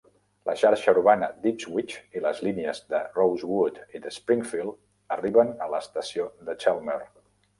La xarxa urbana d'Ipswich i les línies de Rosewood i d'Springfield arriben a l'estació de Chelmer.